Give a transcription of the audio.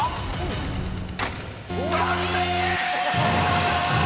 ［残念！］